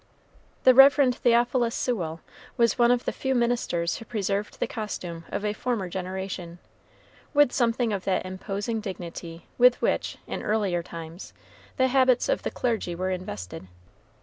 The Rev. Theophilus Sewell was one of the few ministers who preserved the costume of a former generation, with something of that imposing dignity with which, in earlier times, the habits of the clergy were invested.